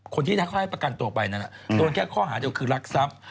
คนที่เขาให้ประกันตัวไปนั้นโดนแค่ข้อหาเดียวคือรักทรัพย์